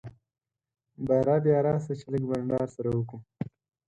باره بيا راسه چي لږ بانډار سره وکو.